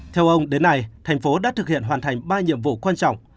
theo ông đến nay thành phố đã thực hiện hoàn thành ba nhiệm vụ quan trọng